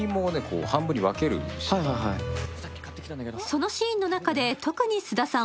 そのシーンの中で特に菅田さん